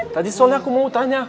tadi soalnya aku mau tanya